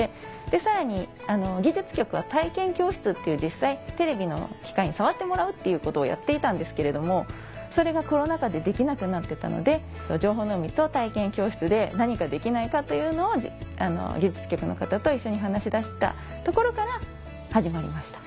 さらに技術局は体験教室っていう実際テレビの機械に触ってもらうっていうことをやっていたんですけれどもそれがコロナ禍でできなくなってたので「情報の海」と体験教室で何かできないかというのを技術局の方と一緒に話しだしたところから始まりました。